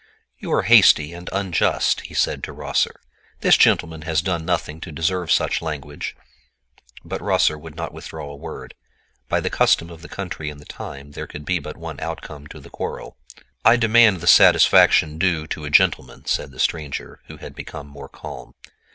"You are hasty and unjust," he said to Rosser; "this gentleman has done nothing to deserve such language." But Rosser would not withdraw a word. By the custom of the country and the time there could be but one outcome to the quarrel. "I demand the satisfaction due to a gentleman," said the stranger, who had become more calm.